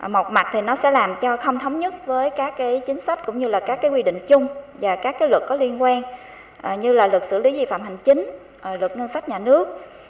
một mặt thì nó sẽ làm cho không thống nhất với các cái chính sách cũng như là các cái quy định chung và các cái luật có liên quan như là luật xử lý di phạm hình chính luật ngân sách nhà nước